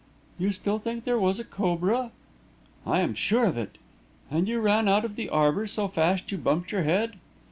"You still think there was a cobra?" "I am sure of it." "And you ran out of the arbour so fast you bumped your head?"